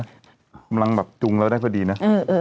เออก็๒๐กำลังประกองได้พอดีนะ